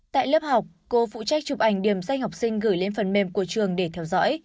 tại lớp học cô phụ trách chụp ảnh điểm danh học sinh gửi lên phần mềm của trường để theo dõi